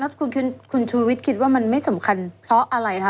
แล้วคุณชูวิทย์คิดว่ามันไม่สำคัญเพราะอะไรคะ